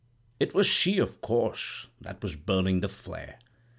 It was she, of course, that was burning the flare.